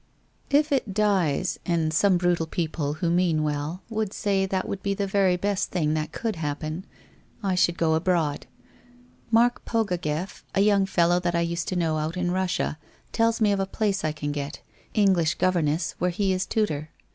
If it dies, and some brutal people who mean well, would say that would be the very best thing that could happen, I should go abroad. Mark Pogogeff, a young fellow that I used to know out in Russia, tells me of a place I can get — English governess where he is tutor.